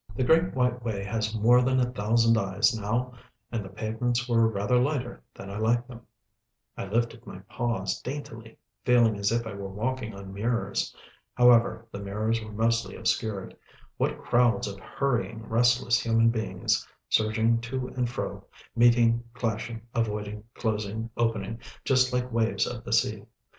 The Great White Way has more than a thousand eyes now, and the pavements were rather lighter than I liked them. I lifted my paws daintily, feeling as if I were walking on mirrors. However, the mirrors were mostly obscured what crowds of hurrying, restless human beings surging to and fro, meeting, clashing, avoiding, closing, opening just like waves of the sea.